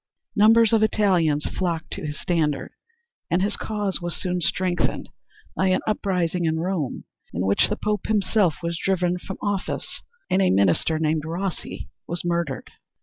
Numbers of Italians flocked to his standard, and his cause was soon strengthened by an uprising in Rome, in which the Pope himself was driven from office, and a minister named Rossi was murdered.